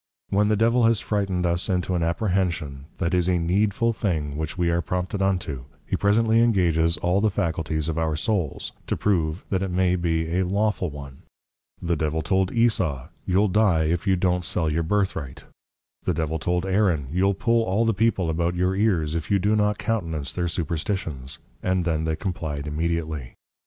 When the Devil has frighted us into an Apprehension, that it is a Needful thing which we are prompted unto, he presently Engages all the Faculties of our Souls, to prove, that it may be a Lawful one; the Devil told Esau, You'll dye if you don't sell your Birthright; the Devil told Aaron, You'll pull all the people about your ears, if you do not countenance their superstitions; and then they comply'd immediately.